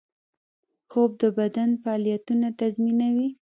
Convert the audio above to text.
خوب د بدن فعالیتونه تنظیموي